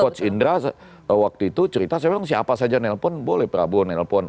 coach indra waktu itu cerita saya bilang siapa saja nelpon boleh prabowo nelpon